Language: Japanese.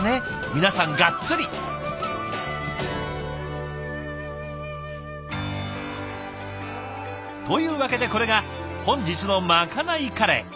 皆さんガッツリ！というわけでこれが本日のまかないカレー。